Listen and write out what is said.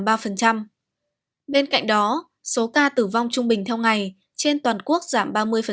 bên cạnh đó số ca tử vong trung bình theo ngày trên toàn quốc giảm ba mươi